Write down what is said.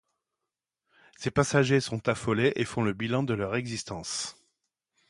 Ses passagers sont affolés et font le bilan de leur existence.